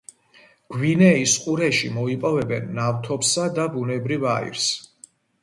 გვინეის ყურეში მოიპოვებენ ნავთობსა და ბუნებრივ აირს.